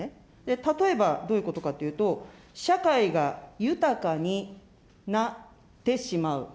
例えばどういうことかというと、社会が豊かになってしまう。